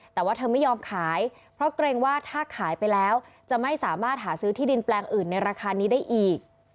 แต่ว่าเธอไม่ยอมขายเพราะเกรงว่าถ้าขายไปแล้วจะไม่สามารถหาซื้อที่ดินแปลงอื่นในราคานี้ได้อีก